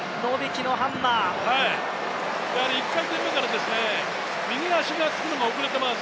１回転目から右足をつけるのが遅れています。